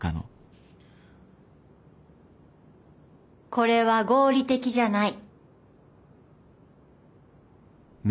これは合理的じゃない。